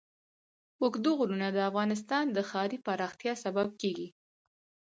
اوږده غرونه د افغانستان د ښاري پراختیا سبب کېږي.